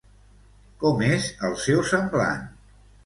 Com és el seu semblant?